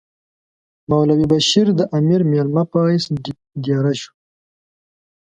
مولوی بشیر د امیر مېلمه په حیث دېره شو.